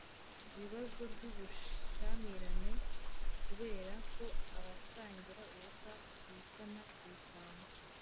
bibazo by’ubushyamirane kubera ko abasangira ubusa bitana ibisambo